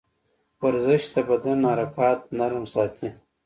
ورزش د بدن حرکات نرم ساتي.